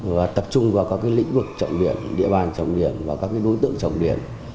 và tập trung vào các lĩnh vực trọng điện địa bàn trọng điện và các đối tượng trọng điện